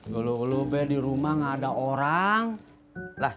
gak ada orang di rumah